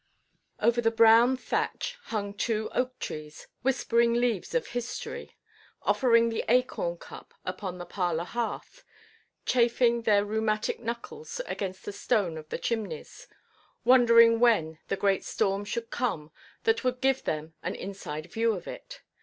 Over the brown thatch hung two oak–trees, whispering leaves of history, offering the acorn cup upon the parlour hearth, chafing their rheumatic knuckles against the stone of the chimneys, wondering when the great storm should come that would give them an inside view of it.